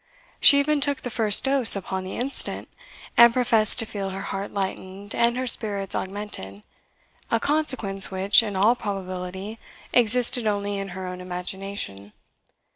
She even took the first dose upon the instant, and professed to feel her heart lightened and her spirits augmented a consequence which, in all probability, existed only in her own imagination.